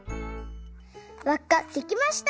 わっかできました！